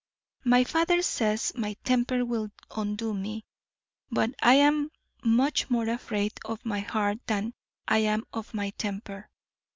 My father says my temper will undo me, but I am much more afraid of my heart than I am of my temper.